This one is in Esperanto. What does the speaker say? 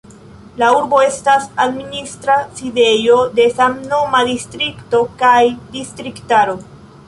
La urbo estas administra sidejo de samnoma distrikto kaj distriktaro.